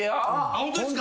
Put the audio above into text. ホントですか？